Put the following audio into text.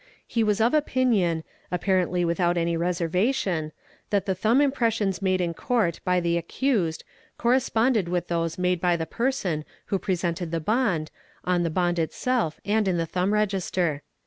He was of opinion, apparently without any eservation, that the thumb impressions made in Court by the accused orresponded with those made by the person, who presented the bond, on e bond itself and in the thumb register.